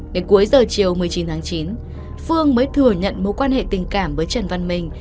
đến cuối giờ chiều một mươi chín tháng chín phương mới thừa nhận mối quan hệ tình cảm với trần văn minh